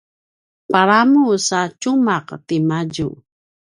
palamu sa tjumaq timadju